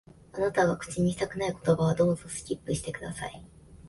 あなたが口にしたくない言葉は、どうぞ、スキップして下さい。